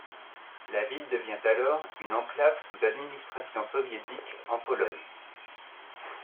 La ville devient alors une enclave sous administration soviétique en Pologne.